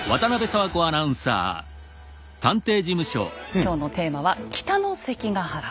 今日のテーマは「北の関ヶ原」。